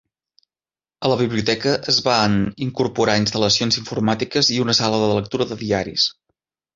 A la biblioteca es van incorporar instal·lacions informàtiques i una sala de lectura de diaris.